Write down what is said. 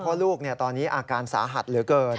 เพราะลูกตอนนี้อาการสาหัสเหลือเกิน